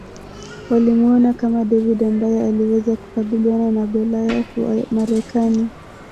Walimuona kama David ambaye aliweza kukabiliana na Goliath wa Marekani